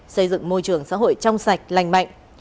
xây dựng môi trường xã hội trong sạch lành mạnh